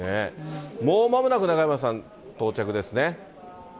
もうまもなく中山さん、到着ですね。